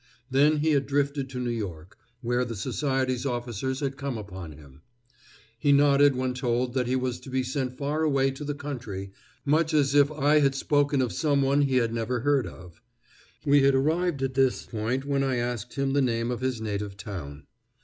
Then he had drifted to New York, where the society's officers had come upon him. He nodded when told that he was to be sent far away to the country, much as if I had spoken of some one he had never heard of. We had arrived at this point when I asked him the name of his native town.